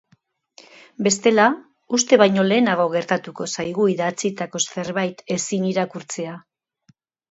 Bestela, uste baino lehenago gertatuko zaigu idatzitako zerbait ezin irakurtzea.